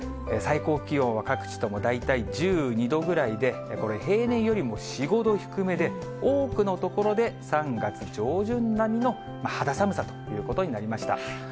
最高気温は各地とも大体１２度ぐらいで、これ、平年よりも４、５度低めで、多くの所で、３月上旬並みの肌寒さということになりました。